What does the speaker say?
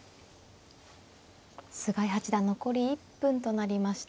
菅井八段残り１分となりました。